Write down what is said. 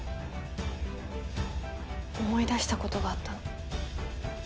思い出した事があったの。